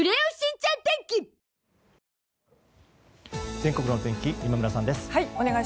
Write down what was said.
全国の天気今村さんです。